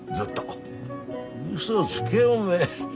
うそつけおめえ。